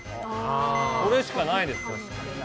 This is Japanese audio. これしかないですよ。